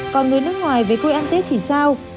còn người nước ngoài về quê ăn tết thì sao